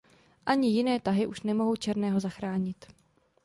Ani jiné tahy už nemohly černého zachránit.